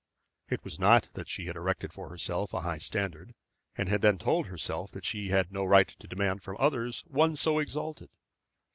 It was not that she erected for herself a high standard and had then told herself that she had no right to demand from others one so exalted.